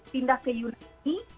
pindah ke yunani